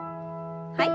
はい。